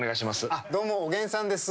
どうもおげんさんです。